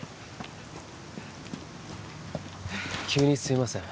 急にすみません